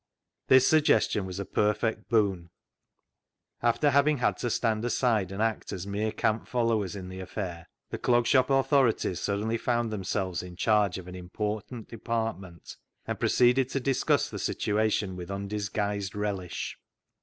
This suggestion was a perfect boon. After having had to stand aside and act as mere camp followers in the affair, the Clog Shop authorities suddenly found themselves in charge of an important department, and proceeded to discuss the situation with undisguised relish.